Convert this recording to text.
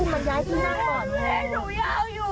แม่รักหนูไหมไม่รักหนู